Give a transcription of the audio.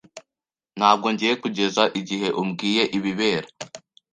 Ntabwo ngiye kugeza igihe umbwiye ibibera.